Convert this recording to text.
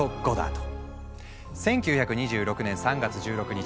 １９２６年３月１６日